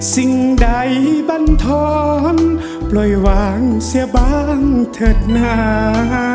สิ่งใดบรรท้อนปล่อยวางเสียบ้างเถิดหนา